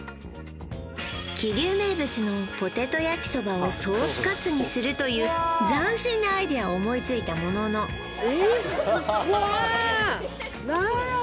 桐生名物のポテト焼きそばをソースかつにするという斬新なアイデアを思いついたもののえっわあ